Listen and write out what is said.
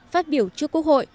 phát biểu trước quốc hội